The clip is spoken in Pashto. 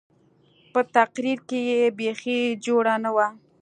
په تقرير کښې يې بيخي جوړه نه وه.